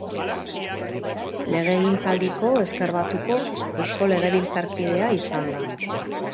Legegintzaldiko Ezker Batuko eusko legebiltzarkidea izan da.